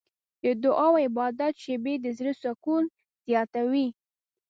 د دعا او عبادت شېبې د زړه سکون زیاتوي.